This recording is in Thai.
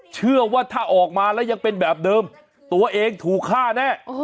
เชื่อว่าถ้าออกมาแล้วยังเป็นแบบเดิมตัวเองถูกฆ่าแน่